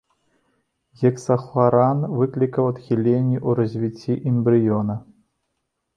Гексахларан выклікаў адхіленні ў развіцці эмбрыёна.